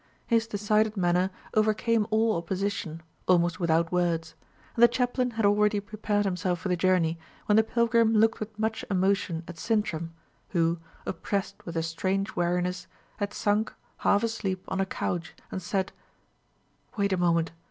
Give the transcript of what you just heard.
His decided manner overcame all opposition, almost without words; and the chaplain had already prepared himself for the journey, when the pilgrim looked with much emotion at Sintram, who, oppressed with a strange weariness, had sunk, half asleep, on a couch, and said: "Wait a moment.